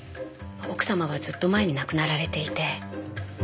奥様はずっと前に亡くなられていて。